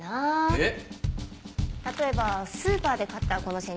えっ？